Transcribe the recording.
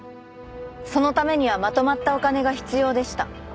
そのためにはまとまったお金が必要でした。